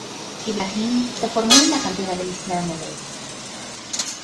Ibrahim se formó en la cantera del Zamalek.